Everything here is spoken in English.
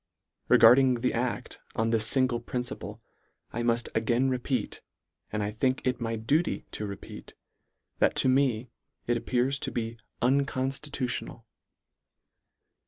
Regarding the acT: on this lingle principle, I mull: again repeat, and I think it my duty to repeat, that to me it appears to be unconstitutional.